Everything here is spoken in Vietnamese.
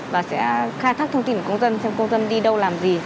và sẽ khai thác thông tin của công dân xem công dân đi đâu làm gì